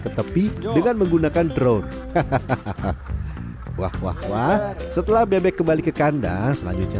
ke tepi dengan menggunakan drone hahaha wah wah wah wah setelah bebek kembali ke kandang selanjutnya